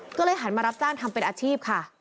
ก็เลยหันมารับจ้างทำเป็นอาชีพค่ะ